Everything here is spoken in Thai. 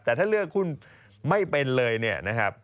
แต่ถ้าเลือกหุ้นไม่เป็นเลย